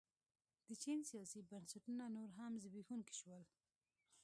د چین سیاسي بنسټونه نور هم زبېښونکي شول.